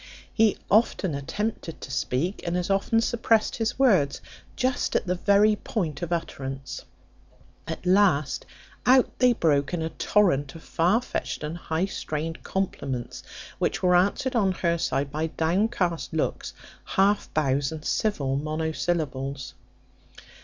He often attempted to speak, and as often suppressed his words just at the very point of utterance. At last out they broke in a torrent of far fetched and high strained compliments, which were answered on her side by downcast looks, half bows, and civil monosyllables.